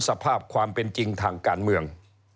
สภาพความเป็นจริงทางการเมือง